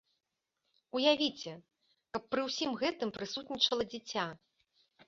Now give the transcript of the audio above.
Уявіце, каб пры ўсім гэтым прысутнічала дзіця!